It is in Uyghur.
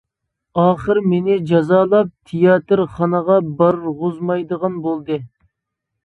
ئاخىر مېنى جازالاپ تىياتىرخانىغا بارغۇزمايدىغان بولدى.